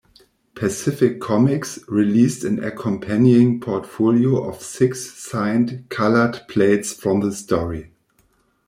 Pacific Comics released an accompanying portfolio of six signed, colored plates from the story.